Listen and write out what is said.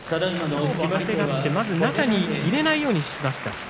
中に入れないようにしました。